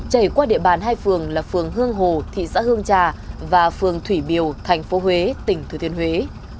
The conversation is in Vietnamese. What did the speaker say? chảy qua địa bàn hai phường là phường hương hồ thị xã hương trà và phường thủy biều thành phố huế tỉnh thừa thuyên huế